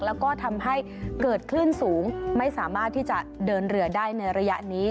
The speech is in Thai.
แล้วก็ทำให้เกิดคลื่นสูงไม่สามารถที่จะเดินเรือได้ในระยะนี้